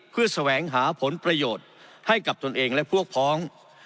เพื่อแสวงหาผลประโยชน์ให้กับตนเองและพวกพ้อง